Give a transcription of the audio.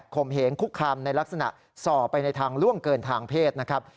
มเหงคุกคามในลักษณะส่อไปในทางล่วงเกินทางเพศนะครับ